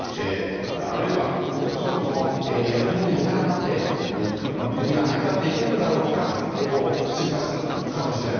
あるいはそもそも役人がいなくなって国が成り立っていくんだろうかと心配するかもしれない。